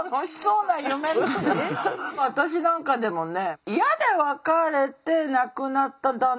私なんかでもね